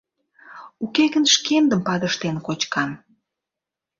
Уке гын шкендым падыштен кочкам!